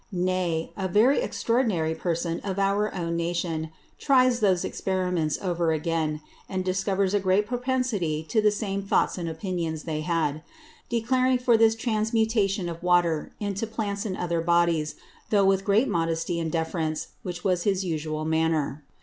Nay, a very Extraordinary Person of our own Nation tries those Experiments over again; and discovers a great Propensity to the same Thoughts and Opinion they had; declaring for this Transmutation of Water into Plants and other Bodies, though with great Modesty and Deference, which was his usual manner.